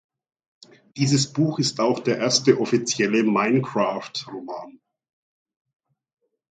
Dieses Buch ist auch der erste offizielle Minecraft-Roman.